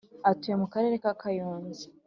atuye mu karere ka kayonza